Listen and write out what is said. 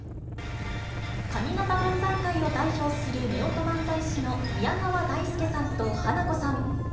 上方漫才界を代表するめおと漫才師の宮川大助さんと花子さん。